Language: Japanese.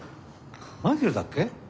マイケルだっけ？